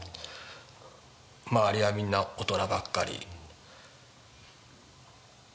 周りはみんな大人ばっかり。